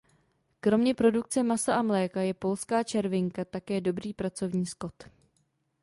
Kromě produkce masa a mléka je polská červinka také dobrý pracovní skot.